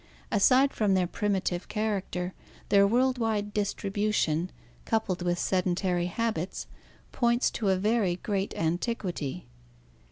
Aside from their primitive character, their world wide distribution, coupled with sedentary habits, points to a very great antiquity.